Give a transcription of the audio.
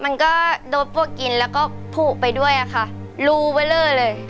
มันก็โดนพวกกินแล้วก็ผูกไปด้วยอะค่ะรูเบลอเลย